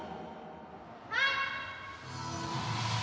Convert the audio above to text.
はい！